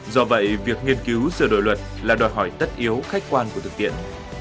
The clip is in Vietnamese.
do vậy việc nghiên cứu sửa đổi luật là đòi hỏi tất yếu khách quan của thực tiễn